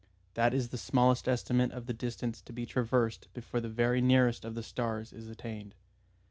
That is the smallest estimate of the distance to be traversed before the very nearest of the stars is attained.